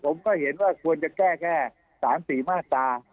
ผมก็เห็นว่าควรจะแก้แค่๓๔มาตรา